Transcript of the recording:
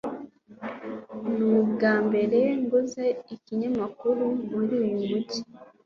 ni ubwambere nguze ikinyamakuru muri uyu mujyi (amastan